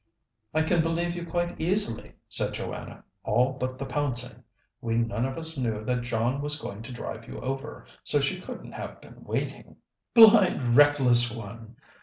"I can believe you quite easily," said Joanna, "all but the pouncing. We none of us knew that John was going to drive you over, so she couldn't have been waiting." "Blind, reckless one!"